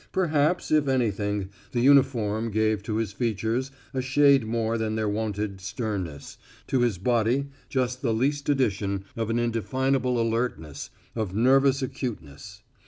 Perhaps, if anything, the uniform gave to his features a shade more than their wonted sternness, to his body just the least addition of an indefinable alertness, of nervous acuteness.